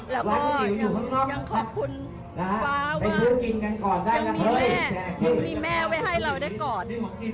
แล้วก็ยังขอบคุณฟ้าว่ายังมีแม่ยังมีแม่ไว้ให้เราได้กอด